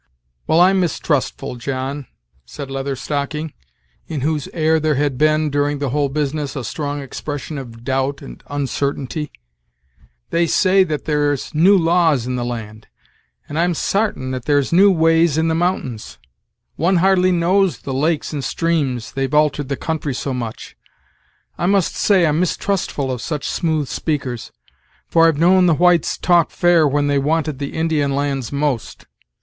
"Well, I'm mistrustful, John," said Leather Stocking, in whose air there had been, during the whole business, a strong expression of doubt and uncertainty. "They say that there's new laws in the land, and I'm sartin that there's new ways in the mountains. One hardly knows the lakes and streams, they've altered the country so much. I must say I'm mistrustful of such smooth speakers; for I've known the whites talk fair when they wanted the Indian lands most.